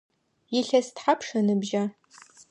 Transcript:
Илъэс тхьапш ыныбжьа?